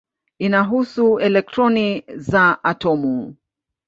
Inahusu elektroni za atomu.